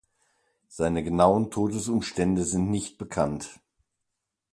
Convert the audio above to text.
Seine genauen Todesumstände sind nicht bekannt.